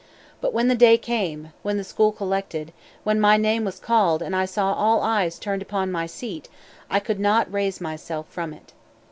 But when the day came, when the school collected, when my name was called and I saw all eyes turned upon my seat, I could not raise myself from it.